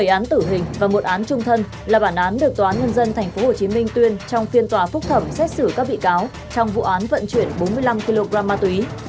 bảy án tử hình và một án trung thân là bản án được toán nhân dân tp hcm tuyên trong phiên tòa phúc thẩm xét xử các bị cáo trong vụ án vận chuyển bốn mươi năm kg ma túy